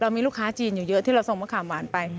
มีลูกค้าจีนอยู่เยอะที่เราส่งมะขามหวานไป